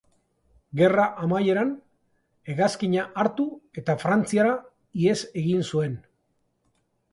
Gerraren amaieran, hegazkina hartu eta Frantziara ihes egin zuen.